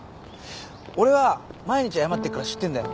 俺は毎日謝ってっから知ってんだよ。